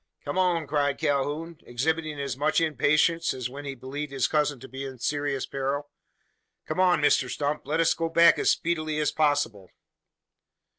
"Come on!" cried Calhoun, exhibiting as much impatience as when he believed his cousin to be in serious peril. "Come on, Mr Stump! Let us get back as speedily as possible!"